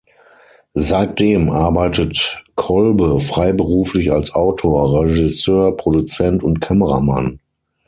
Seitdem arbeitet Kolbe freiberuflich als Autor, Regisseur, Produzent und Kameramann.